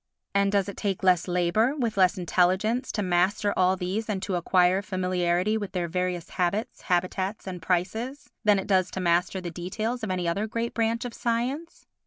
And does it take less labour, with less intelligence, to master all these and to acquire familiarity with their various habits, habitats and prices than it does to master the details of any other great branch of science?